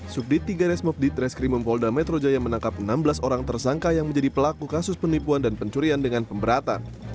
subdit tiga resmob di treskrimum polda metro jaya menangkap enam belas orang tersangka yang menjadi pelaku kasus penipuan dan pencurian dengan pemberatan